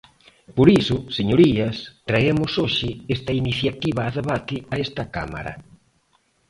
Por iso, señorías, traemos hoxe esta iniciativa a debate a esta Cámara.